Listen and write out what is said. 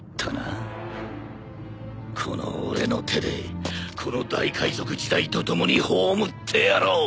この俺の手でこの大海賊時代と共に葬ってやろう。